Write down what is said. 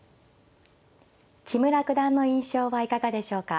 木村九段の印象はいかがでしょうか。